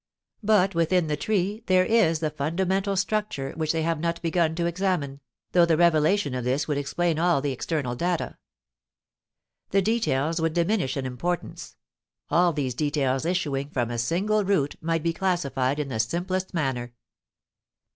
But within the tree there is the fundamental structure which they have not begun to examine, though the revelation of this would explain all the external data. The details would diminish in importance; all these details issuing from a single root might be classified in the simplest manner.